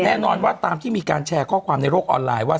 แน่นอนว่าตามที่มีการแชร์ข้อความในโลกออนไลน์ว่า